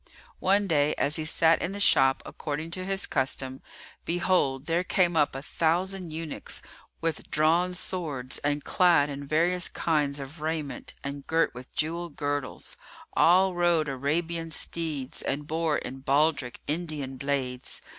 One day, as he sat in the shop according to his custom, behold, there came up a thousand eunuchs, with drawn swords and clad in various kinds of raiment and girt with jewelled girdles: all rode Arabian steeds and bore in baldrick Indian blades.